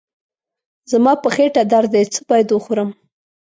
زما په خېټه درد دی، څه باید وخورم؟